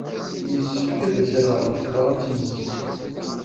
Yessefk ad as-rreɣ ɣef tebṛat-nnes.